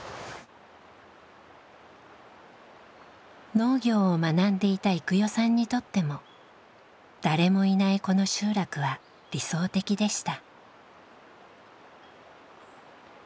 農業を学んでいた郁代さんにとっても誰もいないこの集落は理想的でした。